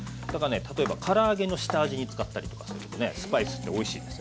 例えばから揚げの下味に使ったりとかするとねスパイスっておいしいですね。